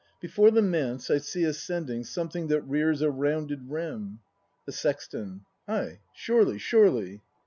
Before the Manse I see ascend ins: Something that rears a rounded rim The Sexton. Ay, surely, surely!